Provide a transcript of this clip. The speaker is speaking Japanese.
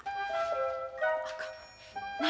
あかん。